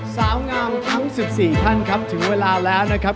สาวงามทั้ง๑๔ท่านครับถึงเวลาแล้วนะครับ